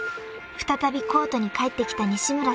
［再びコートに帰ってきた西村選手］